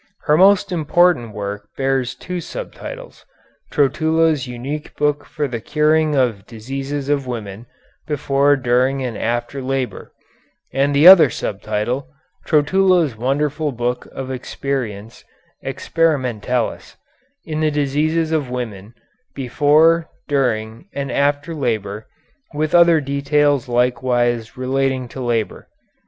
Her most important work bears two sub titles, "Trotula's Unique Book for the Curing of Diseases of Women, Before, During, and After Labor," and the other sub title, "Trotula's Wonderful Book of Experience (experimentalis) in the Diseases of Women, Before, During, and After Labor, with Other Details Likewise Relating to Labor."